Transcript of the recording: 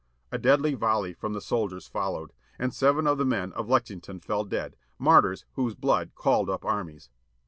A deadly volley from the soldiers followed. And seven of the men of Lexington fell dead, martjTS whose blood called up armies.